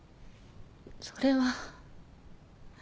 それは。